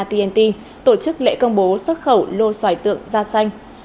tnt tổ chức lễ công bố xuất khẩu lô xoài tượng da xanh